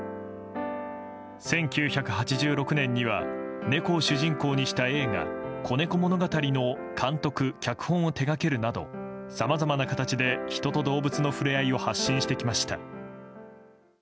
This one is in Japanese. １９８６年には猫を主人公にした映画「子猫物語」の監督・脚本を手掛けるなどさまざまな形で人と動物の触れ合いを発信してきました。